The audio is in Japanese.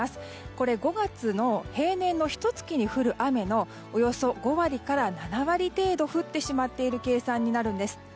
これ、５月の平年のひと月に降る雨のおよそ５割から７割程度降ってしまっている計算になるんです。